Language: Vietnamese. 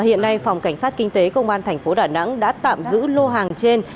hiện nay phòng cảnh sát kinh tế công an tp đà nẵng đã tạm giữ lô hàng trên